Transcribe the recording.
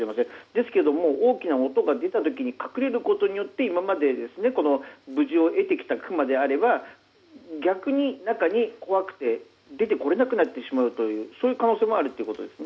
ですけども、大きな音が出た時に隠れることによって今まで無事を得てきたクマであれば、逆に中に怖くて出てこれなくなってしまう可能性もあります。